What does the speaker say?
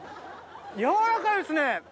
柔らかいですね！